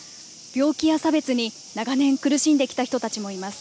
病気や差別に長年苦しんできた人たちもいます。